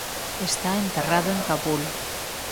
Está enterrado en Cabul.